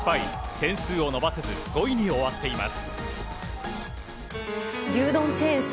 点数を伸ばせず５位に終わっています。